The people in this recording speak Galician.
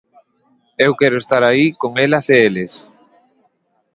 Eu quero estar aí con elas e eles.